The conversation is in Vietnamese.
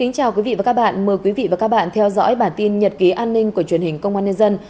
chào mừng quý vị đến với bản tin nhật ký an ninh của truyền hình công an nhân dân